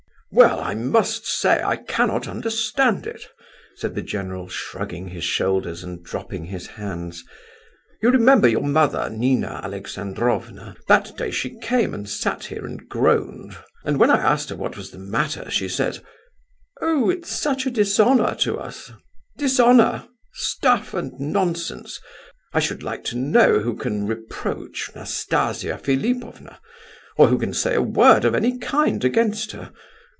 "Well, I must say, I cannot understand it!" said the general, shrugging his shoulders and dropping his hands. "You remember your mother, Nina Alexandrovna, that day she came and sat here and groaned—and when I asked her what was the matter, she says, 'Oh, it's such a dishonour to us!' dishonour! Stuff and nonsense! I should like to know who can reproach Nastasia Philipovna, or who can say a word of any kind against her.